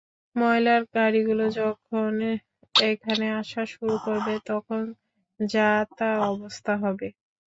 ময়লার গাড়িগুলো যখন এখানে আসা শুরু করবে, তখন যা-তা অবস্থা হবে।